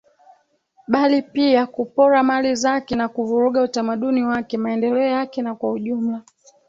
bali pia kupora mali zake na kuvuruga Utamaduni wake Maendeleo yake na kwa ujumla